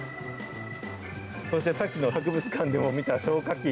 そして、さっきの博物館でも見た消火器。